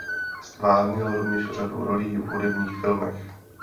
Ztvárnil rovněž řadu rolí v hudebních filmech.